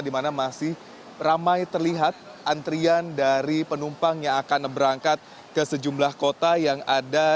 di mana masih ramai terlihat antrian dari penumpang yang akan berangkat ke sejumlah kota yang ada